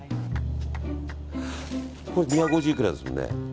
これ、２５０いくらですもんね。